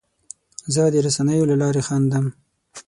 زه د رسنیو له لارې خندم.